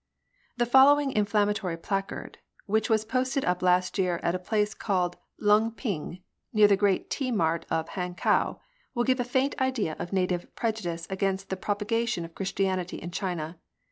The following inflammatory placard, which was posted up last year at a place called Lung p'ing, near the great tea mart of Hankow, will give a faint idea of native prejudice against the propagation of Christi anity in China.